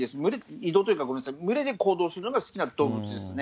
移動というか、ごめんなさい、群れで行動するのが好きな動物ですね。